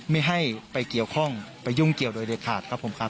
ไม่ให้ไปเกี่ยวข้องไปยุ่งเกี่ยวโดยเด็ดขาดครับผมครับ